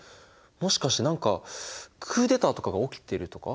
もしかして何かクーデターとかが起きてるとか？